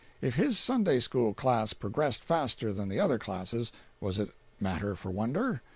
If his Sunday school class progressed faster than the other classes, was it matter for wonder?